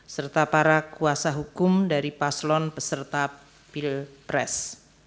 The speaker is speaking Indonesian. serta para kuasa hukum dari paslon peserta pilpres